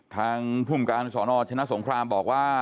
ทางทุ่มการสนชนะสงครามบอกว่า